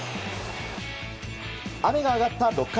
雨が上がった６回。